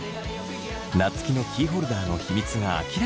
夏樹のキーホルダーの秘密が明らかに。